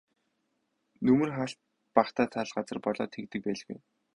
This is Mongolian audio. Нөмөр хаалт багатай тал газар болоод тэгдэг байлгүй.